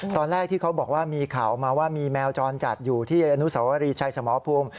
ตอนแรกที่เขาบอกว่ามีข่าวออกมาว่ามีแมวจรจัดอยู่ที่อนุสวรีชัยสมภูมิ